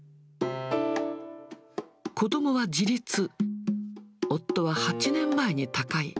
子どもは自立、夫は８年前に他界。